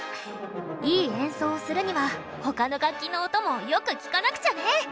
いい演奏をするには他の楽器の音もよく聴かなくちゃね。